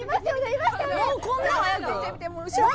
もうこんな早く？